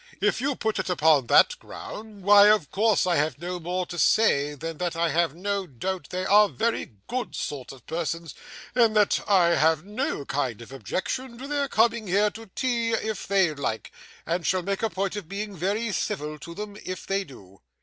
If you put it upon that ground, why, of course, I have no more to say, than that I have no doubt they are very good sort of persons, and that I have no kind of objection to their coming here to tea if they like, and shall make a point of being very civil to them if they do.